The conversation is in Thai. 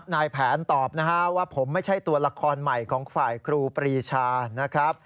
นายแผนตอบว่าผมไม่ใช่ตัวละครใหม่ของฝ่ายครูปรีชา